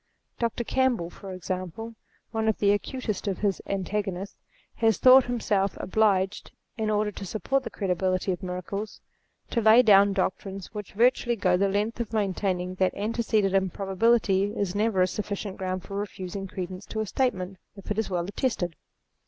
Dr. Campbell, for example, one of the acutest of his antagonists, has thought himself obliged, in order to support the credibility of miracles, to lay down doctrines which virtually go the length of maintaining that antecedent im probability is never a sufficient ground for refusing credence to a statement, if it is well attested.